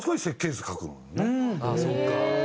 ああそっか。